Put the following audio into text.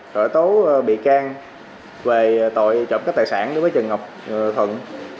khởi tố bị can về tội trọng cấp tài sản đối với trần ngọc thuận